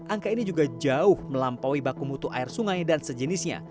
angka ini juga jauh melampaui baku mutu air sungai dan sejenisnya